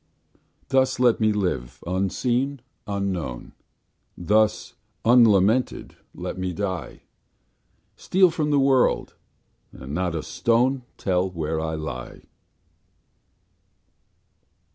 Thus let me live, unseen, unknown; Thus unlamented let me die; Steal from the world, and not a stone Tell where I lie.